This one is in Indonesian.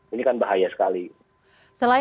ini kan bahaya sekali